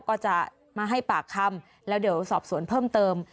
ก็จะมาให้ปากคำแล้วเดี๋ยวสอบสวนเพิ่มเติม